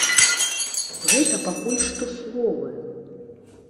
Гэта пакуль што словы.